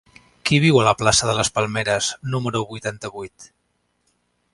Qui viu a la plaça de les Palmeres número vuitanta-vuit?